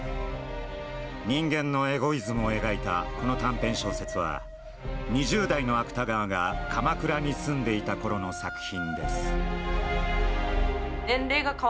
人間のエゴイズムを描いたこの短編小説は２０代の芥川が鎌倉に住んでいたころの作品です。